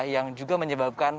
yang juga menyebabkan